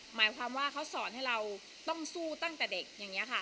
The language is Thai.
หมายความว่าเขาสอนให้เราต้องสู้ตั้งแต่เด็กอย่างนี้ค่ะ